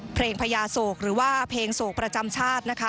พญาโศกหรือว่าเพลงโศกประจำชาตินะคะ